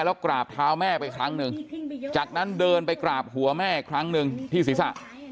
แล้วกราบเท้าแม่ไปครั้งหนึ่งจากนั้นเดินไปกราบหัวแม่อีกครั้งหนึ่งที่ศีรษะ